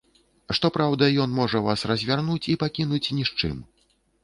Што праўда, ён можа вас развярнуць і пакінуць ні з чым.